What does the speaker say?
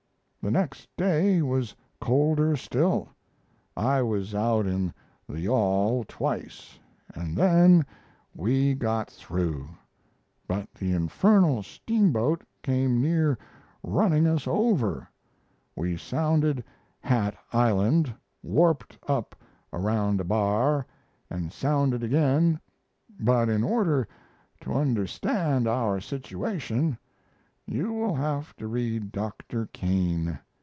The next day was colder still. I was out in the yawl twice, and then we got through, but the infernal steamboat came near running over us.... We sounded Hat Island, warped up around a bar, and sounded again but in order to understand our situation you will have to read Dr. Kane.